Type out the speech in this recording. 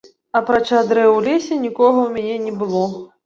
Апрача дрэў у лесе, нікога ў мяне не было.